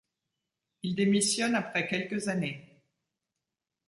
Il démissionne après quelques années.